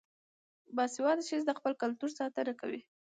باسواده ښځې د خپل کلتور ساتنه کوي.